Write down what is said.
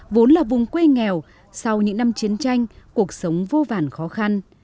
vốn là vùng quê nghèo sau những năm chiến tranh cuộc sống vô vàn khó khăn